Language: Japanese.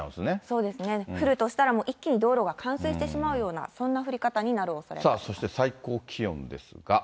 そうですね、降るとしたら一気に道路が冠水してしまうような、そんな降り方にさあ、そして最高気温ですが。